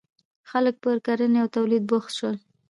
• خلک پر کرنې او تولید بوخت شول.